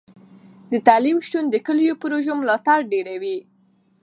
د تعلیم شتون د کلیوالو پروژو ملاتړ ډیروي.